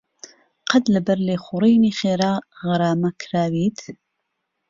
قەت لەبەر لێخوڕینی خێرا غەرامە کراویت؟